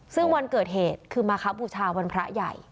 ซึ่งวันเกิดเหตุคือมาครับบูชาวันพระใหญ่